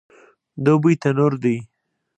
دوبی تنور دی